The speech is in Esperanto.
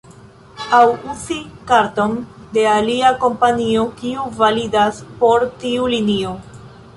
Aŭ uzi karton de alia kompanio, kiu validas por tiu linio.